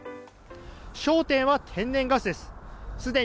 焦点は天然ガスです。